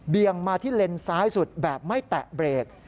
มาที่เลนซ้ายสุดแบบไม่แตะเบรก